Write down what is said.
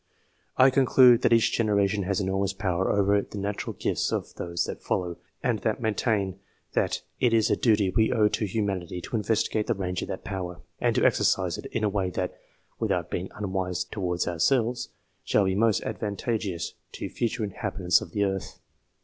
I conclude that each generation has enor >us power over the natural gifts of those that follow, id maintain that it is a duty we owe to humanity to ivestigate the range of that power, and to exercise it a way that, without being unwise towards ourselves, iall be most advantageous to future inhabitants of the bh.